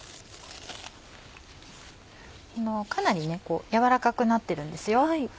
かなりね軟らかくなってるんですよ。